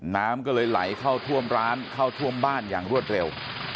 น้ำก็เลยไหลเข้าท่วมร้านเข้าท่วมบ้านอย่างรวดเร็ว